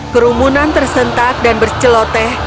kerumunan tersentak dan bercelote